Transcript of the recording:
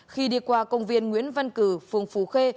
khi đi qua công viên nguyễn văn cử phường phú khê